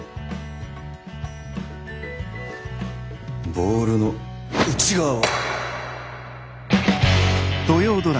ボールの内側を。